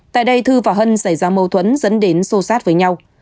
tại đây thư và hân xảy ra mâu thuẫn dẫn đến xô xát với nhau